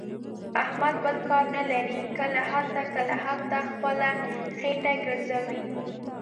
احمد بل کار نه لري. کله هلته، کله هلته، خپله خېټه ګرځوي.